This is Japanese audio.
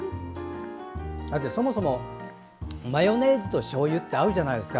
そもそもマヨネーズとしょうゆって合うじゃないですか。